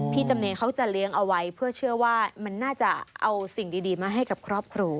จำเนรเขาจะเลี้ยงเอาไว้เพื่อเชื่อว่ามันน่าจะเอาสิ่งดีมาให้กับครอบครัว